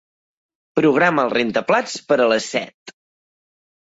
Programa el rentaplats per a les set.